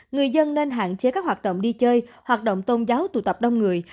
người dân nên hạn chế các hoạt động đi chơi hoạt động tôn giáo tụ tập đông người